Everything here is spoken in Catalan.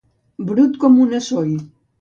Brut com una soll.